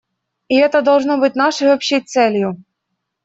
И это должно быть нашей общей целью.